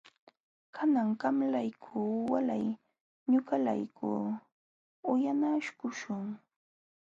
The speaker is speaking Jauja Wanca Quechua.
Kanan qamlayku walay ñuqalayku uyanakuśhun.